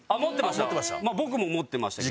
まあ僕も持ってましたけども。